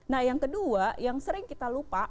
nah yang kedua yang sering kita lupa